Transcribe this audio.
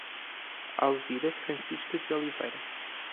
Alzira Francisca de Oliveira